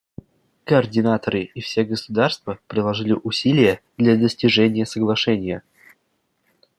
Координаторы и все государства приложили усилия для достижения соглашения.